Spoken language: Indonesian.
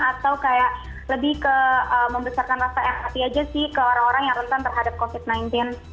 atau kayak lebih ke membesarkan rasa empati aja sih ke orang orang yang rentan terhadap covid sembilan belas